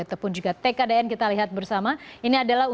ataupun juga tkdn kita lihat bersama